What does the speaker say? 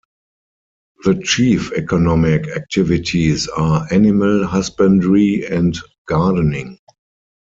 The chief economic activities are animal husbandry and gardening.